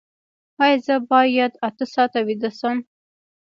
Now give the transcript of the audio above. ایا زه باید اته ساعته ویده شم؟